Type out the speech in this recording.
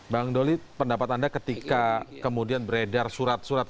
bang doli pendapat anda ketika kemudian beredar surat surat